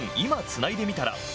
つないでみたら」。